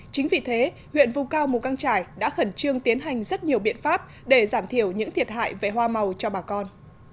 chính vì thế huyện vùng cao mù căng trải đã khẩn trương tiến hành rất nhiều biện pháp để giảm thiểu những thiệt hại về hoa màu cho bà con